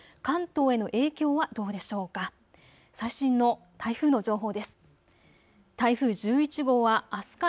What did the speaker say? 関東への影響はどうでしょうか。